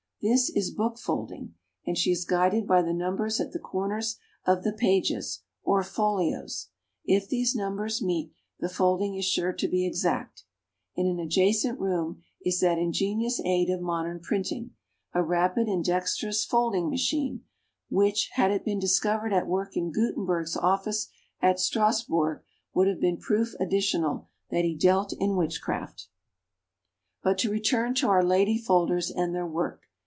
This is book folding, and she is guided by the numbers at the corners of the pages, or folios if these numbers meet, the folding is sure to be exact. In an adjacent room is that ingenious aid of modern printing a rapid and dexterous folding machine, which, had it been discovered at work in Gutenberg's office at Strasbourg, would have been proof additional that he dealt in witchcraft. [Illustration: Diagram of Pages.] But to return to our lady folders and their work.